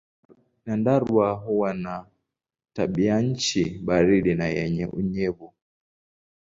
Nyandarua huwa na tabianchi baridi na yenye unyevu.